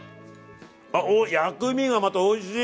あ薬味がまたおいしい！